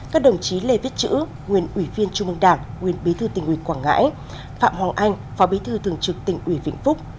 các đồng chí lê viết chữ nguyên ủy viên trung mương đảng nguyên bí thư tỉnh ủy quảng ngãi phạm hoàng anh phó bí thư thường trực tỉnh ủy vĩnh phúc